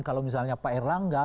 kalau misalnya pak erlang gak